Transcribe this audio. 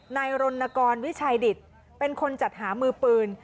นายรณกรวิชัยดิตเป็นคนจัดหามือปืน